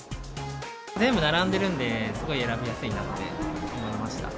全部並んでるんで、すごい選びやすいなって思いました。